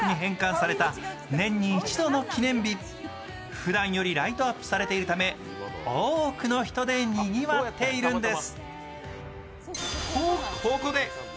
ふだんよりライトアップされているため多くの人でにぎわっているんです。